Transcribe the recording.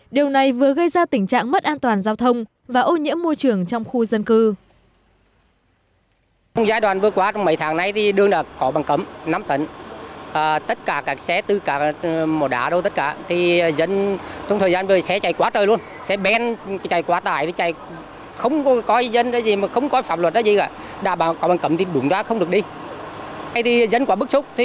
điều này vừa gây ra tình trạng mất an toàn giao thông và ô nhiễm môi trường trong khu dân cư